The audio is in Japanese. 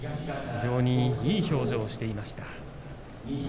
非常にいい表情をしていました。